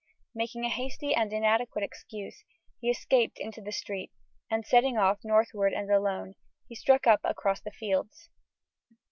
Making a hasty and inadequate excuse, he escaped into the street; and, setting off northward and alone, he struck up across the fields.